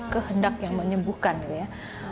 kehendak yang menyembuhkan ya